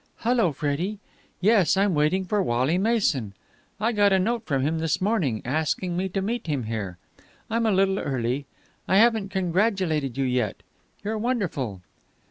"Hullo, Freddie. Yes, I'm waiting for Wally Mason. I got a note from him this morning, asking me to meet him here. I'm a little early. I haven't congratulated you yet. You're wonderful!"